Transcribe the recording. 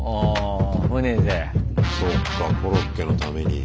そうかコロッケのために。